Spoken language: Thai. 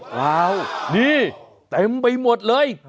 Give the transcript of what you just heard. ว้าวนี่เต็มไปหมดเลย